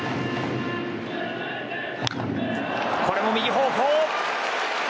これも右方向。